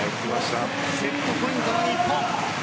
セットポイントの日本。